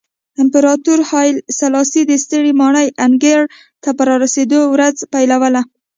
امپراتور هایله سلاسي د سترې ماڼۍ انګړ ته په رسېدو ورځ پیلوله.